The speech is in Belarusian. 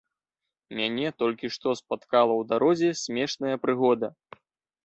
Мяне толькі што спаткала ў дарозе смешная прыгода.